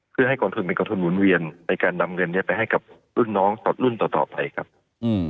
เพื่อให้กองทุนเป็นกองทุนหุ่นเวียนในการนำเงินเนี้ยไปให้กับรุ่นน้องรุ่นต่อต่อไปครับอืม